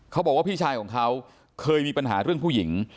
เขาบอกว่าพี่ชายของเขาเคยมีปัญหาเรื่องผู้หญิง